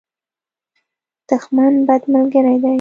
دښمن، بد ملګری دی.